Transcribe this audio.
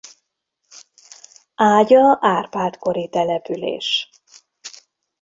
Ágya Árpád-kori település.